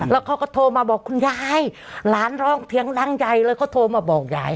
แล้วเขาก็โทรมาบอกคุณยายหลานร้องเสียงรังใหญ่เลยเขาโทรมาบอกยาย